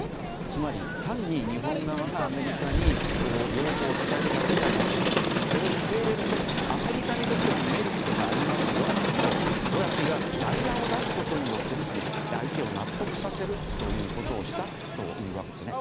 つまり、単に日本側がアメリカに要望を伝えるだけでなくこれを受け入れるとアメリカにもメリットがありますよとそうやって、いわゆる代案を出すことで相手を納得させるということをしたというわけですね。